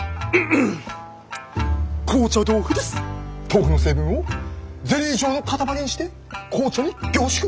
豆腐の成分をゼリー状の塊にして紅茶に凝縮。